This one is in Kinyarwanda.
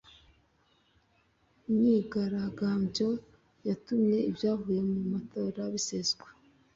Imyigaragambyo yatumye ibyavuye mu matora biseswa